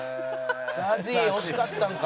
ＺＡＺＹ惜しかったんか。